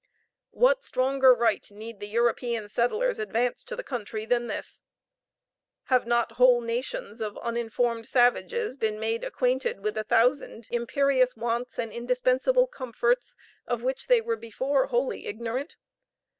What stronger right need the European settlers advance to the country than this? Have not whole nations of uninformed savages been made acquainted with a thousand imperious wants and indispensable comforts of which they were before wholly ignorant?